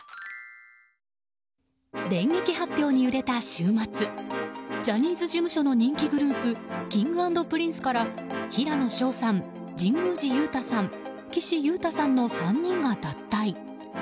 電撃発表に揺れた週末ジャニーズ事務所の人気グループＫｉｎｇ＆Ｐｒｉｎｃｅから平野紫耀さん、神宮寺勇太さん岸優太さんの３人が脱退。